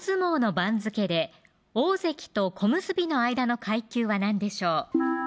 関脇大関と小結の間の階級は何でしょう